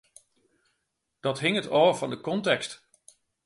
Dat hinget ôf fan de kontekst.